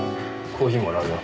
コーヒーもらうよ。